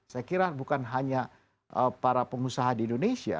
saya kira bukan hanya para pengusaha di indonesia